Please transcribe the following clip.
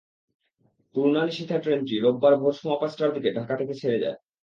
তূর্ণা নিশীথা ট্রেনটি রোববার ভোর সোয়া পাঁচটার দিকে ঢাকা থেকে ছেড়ে যায়।